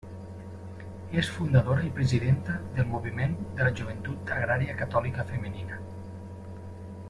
És fundadora i presidenta del Moviment de la Joventut Agrària Catòlica Femenina.